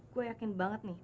gue yakin banget nih